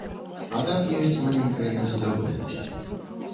А так ёсць маленькае незадаволенасць.